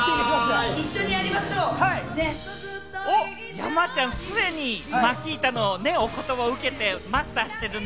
山ちゃん、すでにマキータのね、お言葉を受けてマスターしてるね。